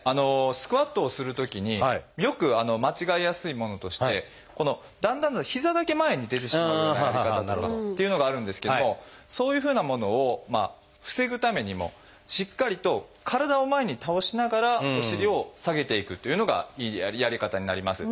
スクワットをするときによく間違えやすいものとしてだんだん膝だけ前に出てしまうようなやり方になるっていうのがあるんですけれどもそういうふうなものを防ぐためにもしっかりと体を前に倒しながらお尻を下げていくというのがいいやり方になります。